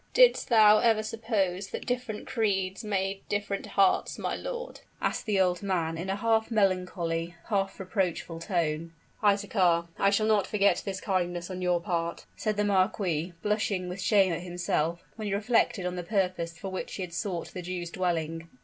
"Didst thou ever suppose that different creeds made different hearts, my lord?" asked the old man, in a half melancholy, half reproachful tone. "Isaachar, I shall not forget this kindness on your part," said the marquis, blushing with shame at himself, when he reflected on the purpose for which he had sought the Jew's dwelling.